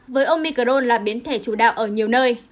với omicron là biến thể chủ đạo ở nhiều nơi